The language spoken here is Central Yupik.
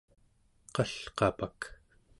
qalqapak